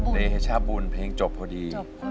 เดชบุญเพลงจบพอดี